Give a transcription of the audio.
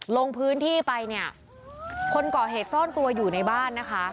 ลงพื้นที่ไปเนี่ยคนก่อเหตุซ่อนตัวอยู่ในบ้านนะคะ